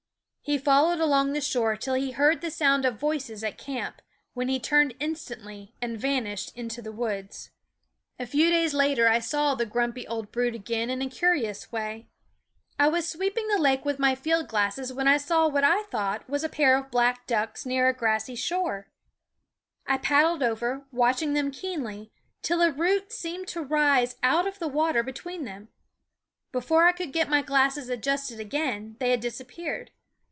He followed along the shore till he heard the sound of voices at camp, when he turned instantly and vanished into the woods. A few days later I saw the grumpy old brute again in a curious way. I was sweep ing the lake with my field glasses when I saw what I thought was a pair of black ducks near a grassy shore. I paddled over, watch ing them keenly, till a root seemed to rise out of the water between them. Before I could get my glasses adjusted again they had disappeared.